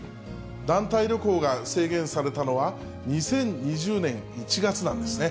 団体旅行が制限されたのは、２０２０年１月なんですね。